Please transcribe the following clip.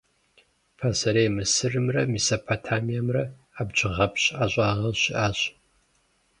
Пасэрей Мысырымрэ Месопотамиемрэ абджгъэпщ ӀэщӀагъэ щыӀащ.